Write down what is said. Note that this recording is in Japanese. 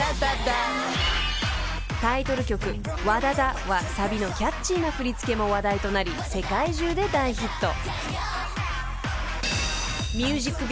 ［タイトル曲『ＷＡＤＡＤＡ』はサビのキャッチーな振り付けも話題となり世界中で大ヒット］